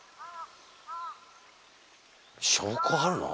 証拠あるの？